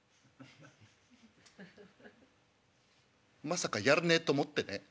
「まさかやらねえと思ってねえ？